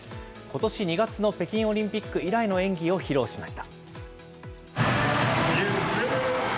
ことし２月の北京オリンピック以来の演技を披露しました。